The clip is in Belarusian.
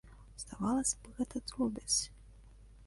Здавалася б, гэта дробязь.